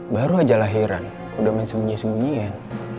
baru aja lahiran udah main sembunyi sembunyian